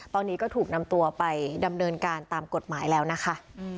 ตอนนี้ก็ถูกนำตัวไปดำเนินการตามกฎหมายแล้วนะคะ